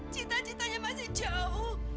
cita citanya masih jauh